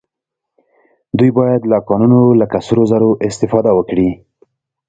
دوی باید له کانونو لکه سرو زرو استفاده وکړي